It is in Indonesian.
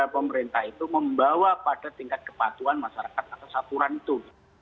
karena kalau pemerintah itu membawa pada tingkat kepatuan masyarakat atau saturan itu